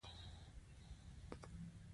پورونه به د شخصي شتمنیو له پلور سره ادا کېدل.